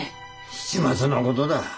七松のことだ。